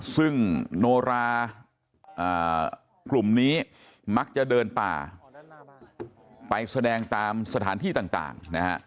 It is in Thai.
ซึ่งโนรากลุ่มนี้มักจะเดินป่าไปแสดงตามสถานที่ต่างนะฮะ